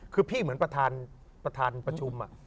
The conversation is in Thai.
คือพี่เหมือนประธานประชุม